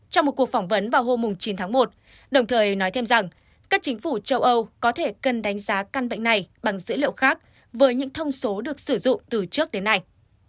trong một cuộc phỏng vấn vào hôm chín tháng một đồng thời nói thêm rằng các chính phủ châu âu có thể cần đánh giá căn bệnh này bằng dữ liệu khác với những thông số được sử dụng từ trước đến nay